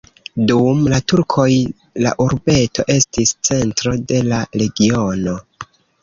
Dum la turkoj la urbeto estis centro de la regiono.